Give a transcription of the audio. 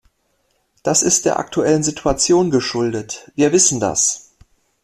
Das ist der aktuellen Situation geschuldet, wir wissen das.